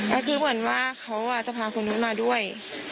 ก็คือเหมือนว่าเขาจะพาคนนู้นมาด้วย